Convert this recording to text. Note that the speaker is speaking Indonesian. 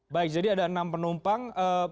baik jadi ada enam penumpang